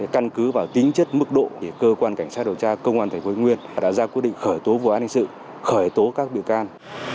căn cứ vào tính chất mức độ cơ quan cảnh sát đầu tra công an thành phố nguyên đã ra quyết định khởi tố vụ an ninh sự khởi tố các biểu can